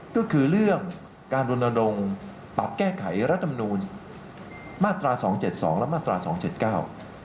ก็คือเรื่องการรณลงปรับแก้ไขรัติมนุมมาตร๒๗๒และ๒๗๙